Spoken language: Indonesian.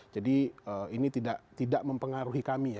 jadi ini tidak mempengaruhi kami ya